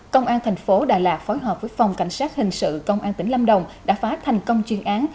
công an thành phố đà lạt phối hợp với phòng cảnh sát hình sự công an tỉnh lâm đồng đã phá thành công chuyên án